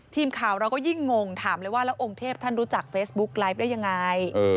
ทีมข่าวเราก็ยิ่งงงถามเลยว่าแล้วองค์เทพท่านรู้จักเฟซบุ๊กไลฟ์ได้ยังไง